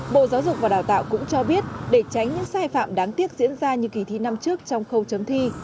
bộ giáo dục và đào tạo cũng cho biết để tránh những sai phạm đáng tiếc diễn ra như kỳ thi năm trước trong khâu chấm thi